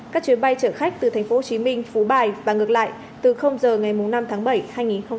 các chuyến bay chở khách từ thành phố hồ chí minh phú bài và ngược lại từ giờ ngày năm tháng bảy hai nghìn hai mươi một